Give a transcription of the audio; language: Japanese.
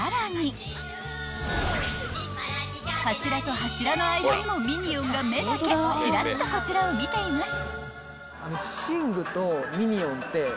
［柱と柱の間にもミニオンが目だけちらっとこちらを見ています］